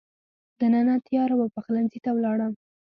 دننه تېاره وه، پخلنځي ته ولاړم.